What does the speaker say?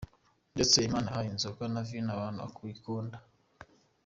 Ndetse Imana iha inzoga na Vino abantu ikunda.